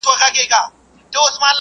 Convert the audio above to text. د کار، تفریح او عبادت وخت معلوم کړئ.